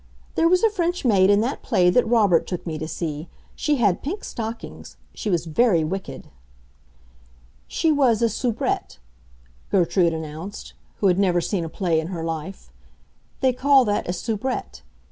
"There was a French maid in that play that Robert took me to see. She had pink stockings; she was very wicked." "She was a soubrette," Gertrude announced, who had never seen a play in her life. "They call that a soubrette.